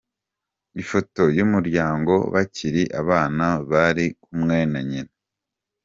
Ifoto y'umuryango bakiri abana bari kumwe na nyina.